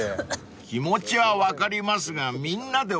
［気持ちは分かりますがみんなで渡りましょう］